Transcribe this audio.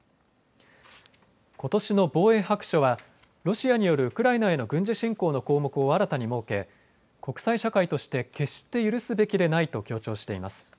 ことしの防衛白書はロシアによるウクライナへの軍事侵攻の項目を新たに設け国際社会として決して許すべきでないと強調しています。